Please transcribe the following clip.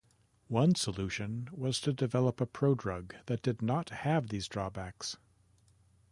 One solution was to develop a prodrug that did not have these drawbacks.